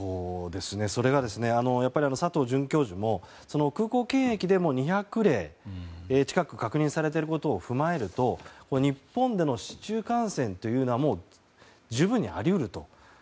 それが佐藤准教授も空港検疫でも２００例近く確認されていることを踏まえると日本での市中感染はもう十分にあり得ると。